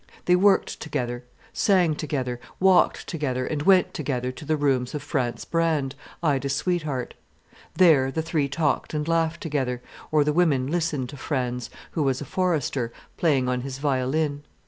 They worked together, sang together, walked together, and went together to the rooms of Franz Brand, Ida's sweetheart. There the three talked and laughed together, or the women listened to Franz, who was a forester, playing on his violin.